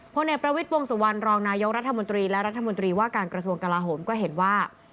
เอกประวิทย์วงสุวรรณรองนายกรัฐมนตรีและรัฐมนตรีว่าการกระทรวงกลาโหมก็เห็นว่า